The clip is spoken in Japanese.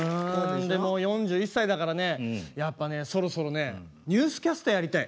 でも４１歳だからねやっぱねそろそろねニュースキャスターやりたい。